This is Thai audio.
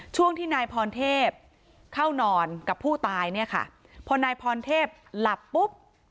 ช่วงที่นายพรเทพเข้านอนกับผู้ตายเนี่ยค่ะพอนายพรเทพหลับปุ๊บ